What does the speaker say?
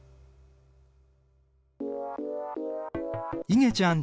いげちゃん